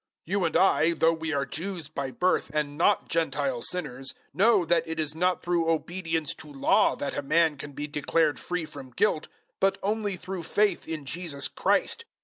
002:015 You and I, though we are Jews by birth and not Gentile sinners, 002:016 know that it is not through obedience to Law that a man can be declared free from guilt, but only through faith in Jesus Christ.